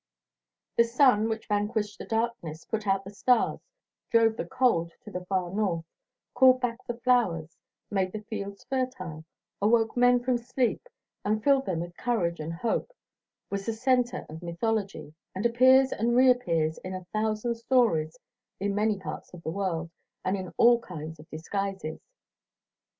The sun, which vanquished the darkness, put out the stars, drove the cold to the far north, called back the flowers, made the fields fertile, awoke men from sleep and filled them with courage and hope, was the centre of mythology, and appears and reappears in a thousand stories in many parts of the world, and in all kinds of disguises.